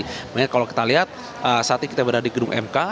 sebenarnya kalau kita lihat saat ini kita berada di gedung mk